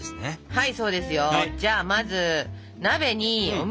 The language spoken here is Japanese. はい！